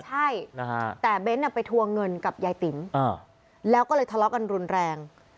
ใช่แต่เบ้นไปทวงเงินกับยายติ๋มแล้วก็เลยทะเลาะกันรุนแรง